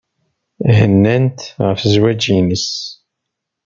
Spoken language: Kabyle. Hennan-t ɣef zzwaj-nnes.